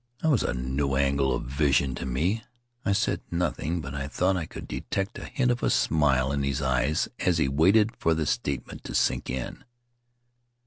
That was a new angle of vision to me, I said noth ing, but I thought I could detect a hint of a smile in his eyes as he waited for the statement to sink in.